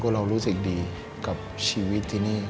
เรารู้สึกดีกับชีวิตที่นี่